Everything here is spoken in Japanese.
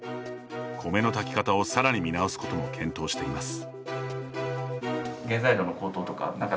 米の炊き方をさらに見直すことも検討しています。